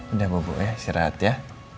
udah bobo ya serehat ya